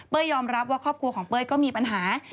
ยอมรับว่าครอบครัวของเป้ยก็มีปัญหา